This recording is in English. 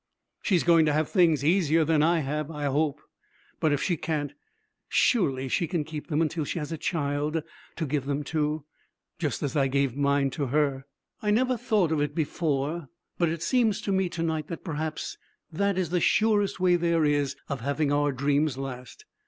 She's going to have things easier than I have, I hope. But if she can't, surely she can keep them until she has a child to give them to, just as I gave mine to her. I never thought of it before, but it seems to me to night that perhaps that is the surest way there is of having our dreams last.